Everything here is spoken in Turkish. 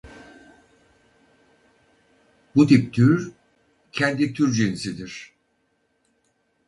Bu tip tür kendi tür cinsidir.